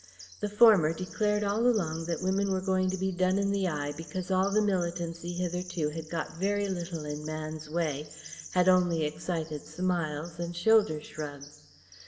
The former declared all along that Women were going to be done in the eye, because all the militancy hitherto had got very little in man's way, had only excited smiles, and shoulder shrugs.